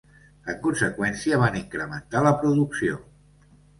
En conseqüència, van incrementar la producció.